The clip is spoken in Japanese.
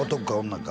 女か？